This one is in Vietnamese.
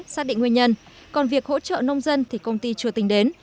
xác định nguyên nhân còn việc hỗ trợ nông dân thì công ty chưa tính đến